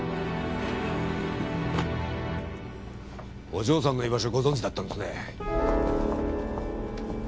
お嬢さんの居場所ご存じだったんですね。